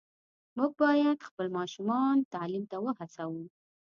موږ باید خپل ماشومان تعلیم ته وهڅوو.